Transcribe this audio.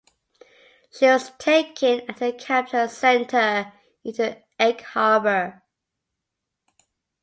She was taken and her captor sent her into Egg Harbour.